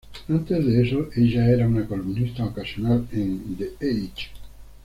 Antes de eso, ella era una columnista ocasional en The Age.